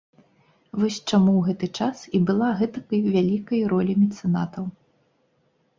Вось чаму ў гэты час і была гэтакай вялікай роля мецэнатаў.